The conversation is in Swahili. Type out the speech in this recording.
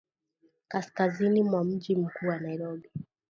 kaskazini mwa mji mkuu wa Nairobi